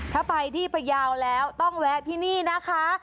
ถ้าไปที่พยาวแล้วต้องแวะที่นี่นะคะ